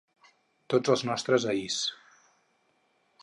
Tots els nostres ahirs